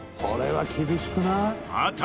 これは厳しくない？